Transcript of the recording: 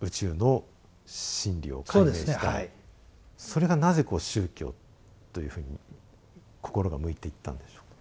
それがなぜこう宗教というふうに心が向いていったんでしょう？